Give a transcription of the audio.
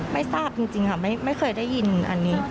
ไม่ทราบจริงค่ะไม่เคยได้ยินอันนี้